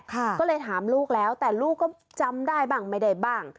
ก็เลยถามลูกแล้วแต่ลูกก็จำได้บ้างไม่ได้บ้าง